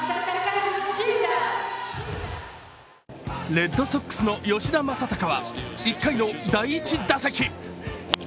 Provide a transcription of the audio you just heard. レッドソックスの吉田正尚は１回の第１打席。